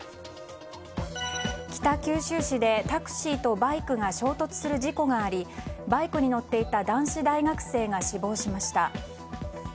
北九州市でタクシーとバイクが衝突する事故がありバイクに乗っていた男子大学生が死亡しました。